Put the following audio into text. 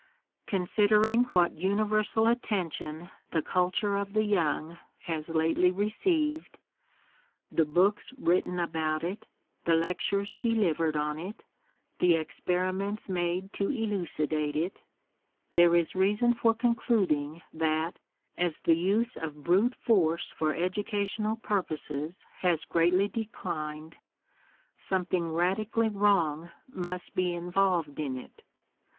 Considering what universal attention the culture of the young has lately received — the books written about it, the lectures delivered on it, the experiments made to elucidate it — there is reason for concluding that as the use of brute force for educational purposes has greatly declined, something radically wrong must be involved in it.